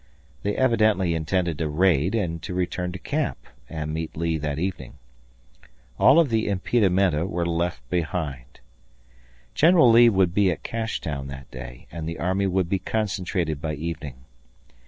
They evidently intended a raid and to return to camp and meet Lee that evening. All of the impedimenta were left behind. General Lee would be at Cashtown that day, and the army would be concentrated by evening.